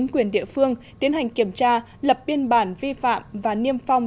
quyền địa phương tiến hành kiểm tra lập biên bản vi phạm và niêm phong